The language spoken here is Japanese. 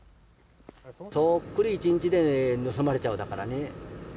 そっくり一日で盗まれちゃう、だからね。